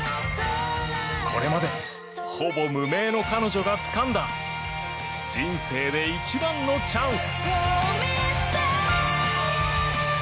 これまで、ほぼ無名の彼女がつかんだ人生で一番のチャンス！